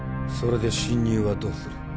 それで侵入はどうする？